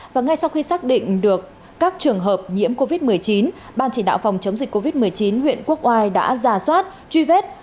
và ngay sau khi xác định được các trường hợp nhiễm covid một mươi chín ban chỉ đạo phòng chống dịch covid một mươi chín huyện quốc oai đã giả soát truy vết